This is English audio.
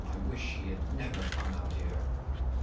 I wish he had never come out here.